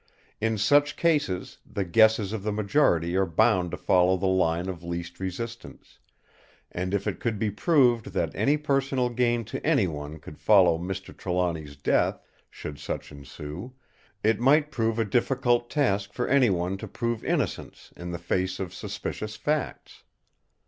In such cases the guesses of the majority are bound to follow the line of least resistance; and if it could be proved that any personal gain to anyone could follow Mr. Trelawny's death, should such ensue, it might prove a difficult task for anyone to prove innocence in the face of suspicious facts.